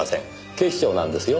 警視庁なんですよ。